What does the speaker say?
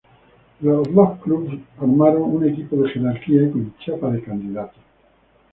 Los dos clubes armaron un equipo de jerarquía, con chapa de candidatos.